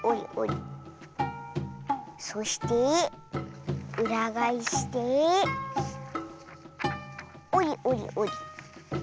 そしてうらがえしておりおりおり。